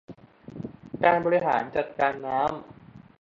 การบริหารจัดการน้ำ